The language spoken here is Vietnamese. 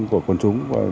của quần chúng